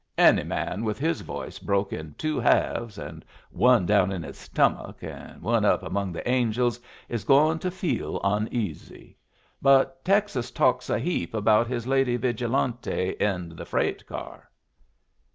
'Any man with his voice broke in two halves, and one down in his stomach and one up among the angels, is goin' to feel uneasy. But Texas talks a heap about his lady vigilante in the freight car.'